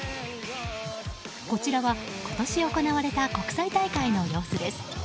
こちらは今年行われた国際大会の様子です。